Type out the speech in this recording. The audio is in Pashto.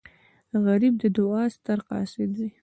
غریب د دعا ستر قاصد وي